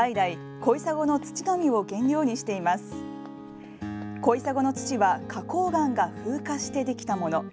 小砂の土は花こう岩が風化してできたもの。